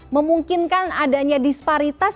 memungkinkan adanya disparitas